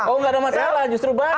oh gak ada masalah justru bagus